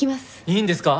いいんですか？